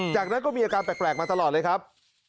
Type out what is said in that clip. จากนั้นก็มีอาการแปลกมาตลอดเลยครับ